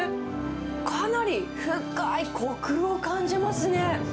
かなり深いこくを感じますね。